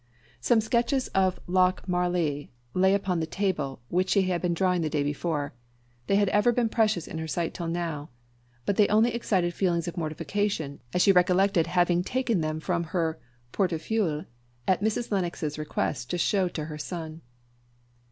Some sketches of Lochmarlie lay upon a table at which she had been drawing the day before; they had ever been precious in her sight till now; but they only excited feelings of mortification, as she recollected having taken them from her portefeuille at Mrs. Lennox's request to show to her son.